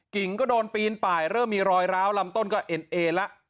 กิ่งก็โดนปีนไปเริ่มมีรอยร้าวลำต้นก็เอ็นเอละ